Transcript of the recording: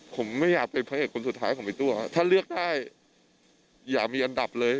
ผมไม่อยากเป็นพระเอกคนสุดท้ายของพี่ตัวถ้าเลือกได้อย่ามีอันดับเลย